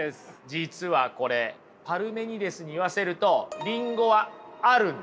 実はこれパルメニデスに言わせるとリンゴはあるんです。